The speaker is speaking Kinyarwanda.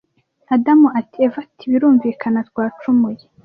adam ati eva ati birumvakana twacumuye